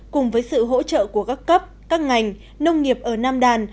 cùng với sự hỗ trợ của các cấp các ngành nông nghiệp ở nam đàn